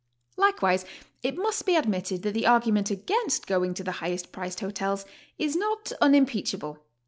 ;. Likewise k must be admitted that the argument against 138 GOING ABROAD? going to the highest priced hotels is not unimpeachable.